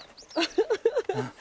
ハハハハ！